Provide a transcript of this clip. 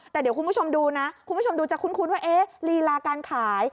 แต่เดี๋ยวคุณผู้ชมดูนะคุณผู้ชมดูจะคุ้นว่าเอ๊ะลีลาการขาย